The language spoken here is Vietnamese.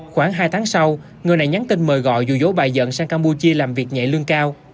khoảng hai tháng sau người này nhắn tin mời gọi dù dố bà dợn sang campuchia làm việc nhạy lương cao